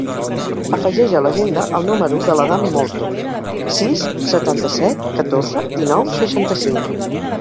Afegeix a l'agenda el número de l'Adam Molto: sis, setanta-set, catorze, dinou, seixanta-cinc.